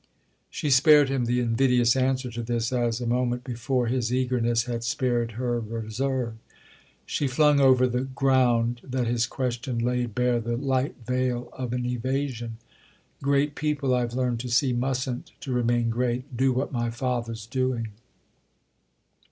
She spared him the invidious answer to this as, a moment before, his eagerness had spared her reserve; she flung over the "ground" that his question laid bare the light veil of an evasion, "'Great people,' I've learned to see, mustn't—to remain great—do what my father's doing."